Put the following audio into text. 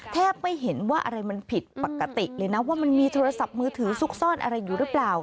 ไม่เห็นว่าอะไรมันผิดปกติเลยนะว่ามันมีโทรศัพท์มือถือซุกซ่อนอะไรอยู่หรือเปล่า